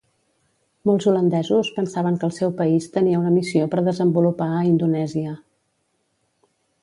Molts holandesos pensaven que el seu país tenia una missió per desenvolupar a Indonèsia.